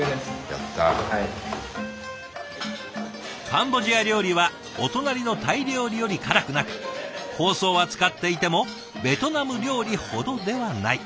カンボジア料理はお隣のタイ料理より辛くなく香草は使っていてもベトナム料理ほどではない。